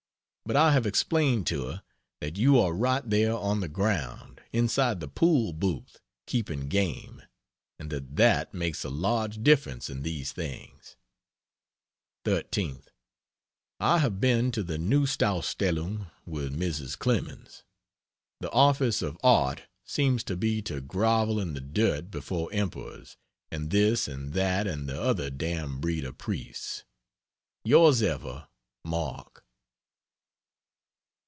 But I have explained to her that you are right there on the ground, inside the pool booth, keeping game and that that makes a large difference in these things. 13th. I have been to the Knustausstellung with Mrs. Clemens. The office of art seems to be to grovel in the dirt before Emperors and this and that and the other damned breed of priests. Yrs ever MARK.